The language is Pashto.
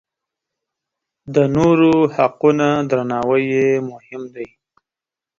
د نورو حقونه درناوی یې مهم دی.